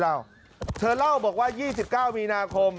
การนอนไม่จำเป็นต้องมีอะไรกัน